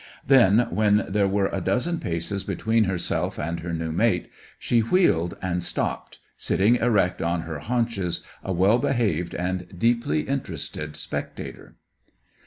Then, when there were a dozen paces between herself and her new mate, she wheeled and stopped, sitting erect on her haunches, a well behaved and deeply interested spectator.